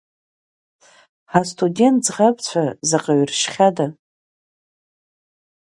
Ҳастудент ӡӷабцәа заҟаҩы ршьхьада!